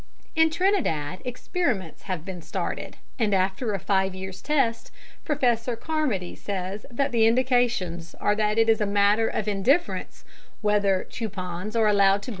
In Trinidad, experiments have been started, and after a five years' test, Professor Carmody says that the indications are that it is a matter of indifference whether "chupons" are allowed to grow or not.